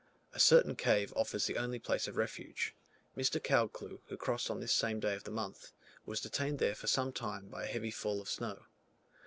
A certain cave offers the only place of refuge: Mr. Caldcleugh, who crossed on this same day of the month, was detained there for some time by a heavy fall of snow.